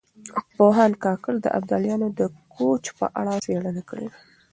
پوهاند کاکړ د ابدالیانو د کوچ په اړه څېړنه کړې ده.